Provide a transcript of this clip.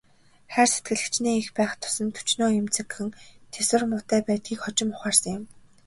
Хайр сэтгэл хэчнээн их байх тусам төчнөөн эмзэгхэн, тэсвэр муутай байдгийг хожим ухаарсан юм.